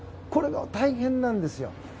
これが大変なんですよ。